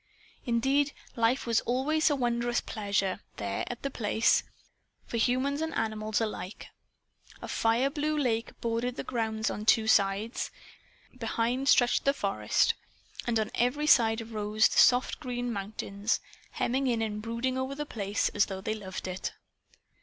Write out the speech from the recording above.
Indeed, life was always wondrous pleasant, there at The Place, for humans and for animals alike. A fire blue lake bordered the grounds on two sides. Behind stretched the forest. And on every side arose the soft green mountains, hemming in and brooding over The Place as though they loved it.